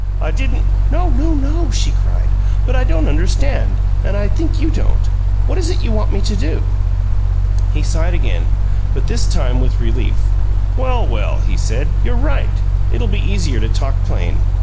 I didn't " "No, no, no!" she cried. "But I don't understand and I think you don't. What is it you want me to do?" He sighed again, but this time with relief. "Well, well!" he said. "You're right. It'll be easier to talk plain.